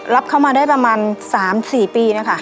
รับเข้ามาได้ประมาณ๓๔ปีนะคะ